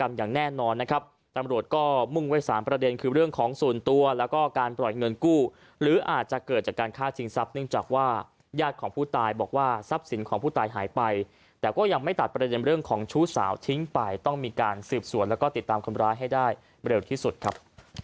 อย่างแน่นอนนะครับตำรวจก็มุ่งไว้๓ประเด็นคือเรื่องของส่วนตัวแล้วก็การปล่อยเงินกู้หรืออาจจะเกิดจากการฆ่าชิงทรัพย์เนื่องจากว่าญาติของผู้ตายบอกว่าทรัพย์สินของผู้ตายหายไปแต่ก็ยังไม่ตัดประเด็นเรื่องของชู้สาวทิ้งไปต้องมีการสืบสวนแล้วก็ติดตามคนร้ายให้ได้เร็วที่สุดครับ